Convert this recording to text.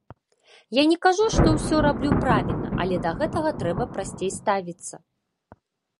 Я не кажу, што ўсё раблю правільна, але да гэтага трэба прасцей ставіцца.